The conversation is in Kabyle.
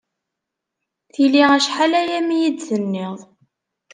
Tili acḥal-aya mi yi-d-tenniḍ.